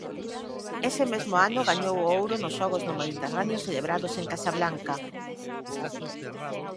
Ese mesmo ano gañou o ouro nos Xogos do Mediterráneo celebrados en Casablanca.